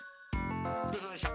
おつかれさまでした。